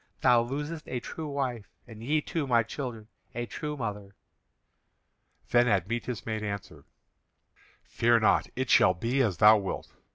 Thou losest a true wife, and ye, too, my children, a true mother." Then Admetus made answer: "Fear not, it shall be as thou wilt.